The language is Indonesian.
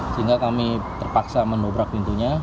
sehingga kami terpaksa mendobrak pintunya